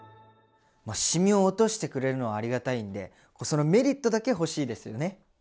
シミを落としてくれるのはありがたいんでそのメリットだけ欲しいですよね。